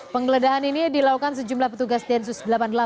penggeledahan ini dilakukan sejumlah petugas densus delapan puluh delapan